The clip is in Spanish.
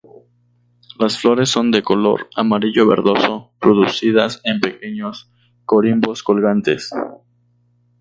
La flores son de color amarillo-verdoso, producidas en pequeños corimbos colgantes.